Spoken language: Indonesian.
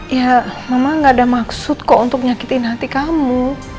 ya memang gak ada maksud kok untuk nyakitin hati kamu